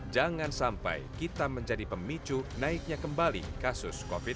jangan sampai kita menjadi pemicu naiknya kembali kasus covid sembilan belas